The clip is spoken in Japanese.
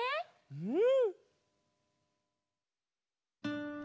うん！